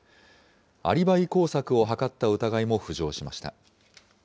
アリバイ工作を図った疑いも浮上しました。